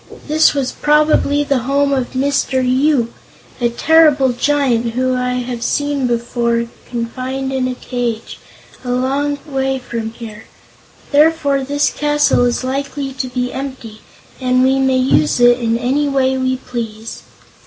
This was probably the home of Mr. Yoop, a terrible giant whom I have seen confined in a cage, a long way from here. Therefore this castle is likely to be empty and we may use it in any way we please."